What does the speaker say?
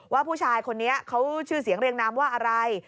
ว่าผู้ชายคนนี้เขาชื่อเสียงเรียงนามว่าอะไร